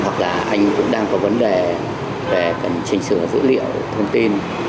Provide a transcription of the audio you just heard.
hoặc là anh cũng đang có vấn đề về cần trình sửa dữ liệu thông tin